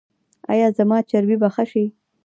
ایا زما چربي به ښه شي؟